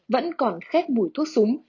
vẫn còn khét bụi thuốc súng